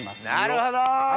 なるほど！